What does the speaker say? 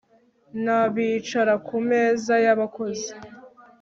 nabicara ku meza yabakozi